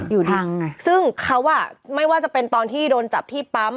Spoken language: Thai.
อยู่ทางไงซึ่งเขาอ่ะไม่ว่าจะเป็นตอนที่โดนจับที่ปั๊ม